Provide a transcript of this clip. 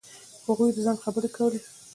هغوی د ځنډ خبرې کولې.